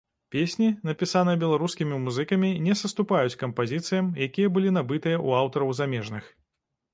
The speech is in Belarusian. Песні, напісаныя беларускімі музыкамі, не саступаюць кампазіцыям, якія былі набытыя ў аўтараў замежных.